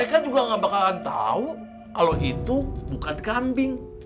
bukan itu kambing